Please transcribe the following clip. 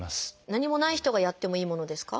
何もない人がやってもいいものですか？